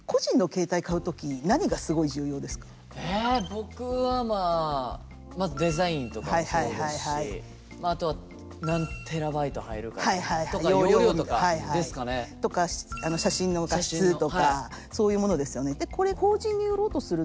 僕はまあまずデザインとかもそうですしあと何テラバイト入るかとか容量とかですかね。とか写真の画質とかそういうものですよね。